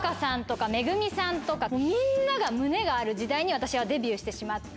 みんなが胸がある時代に私はデビューしてしまって。